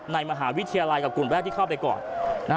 ในมหาวิทยาลัยกับกลุ่มแรกที่เข้าไปก่อน